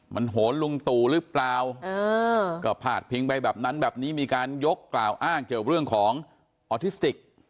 มันโหนลุงตู่หรือเปล่าก็พาดพิงไปแบบนั้นแบบนี้มีการยกกล่าวอ้างเกี่ยวเรื่องของออทิสติก